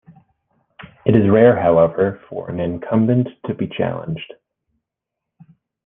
It is rare, however, for an incumbent to be challenged.